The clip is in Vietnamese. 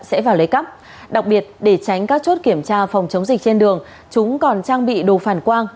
sẽ vào lấy cắp đặc biệt để tránh các chốt kiểm tra phòng chống dịch trên đường chúng còn trang bị đồ phản quang